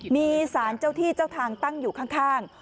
มีสารเจ้าที่เจ้าทางตั้งอยู่ข้าง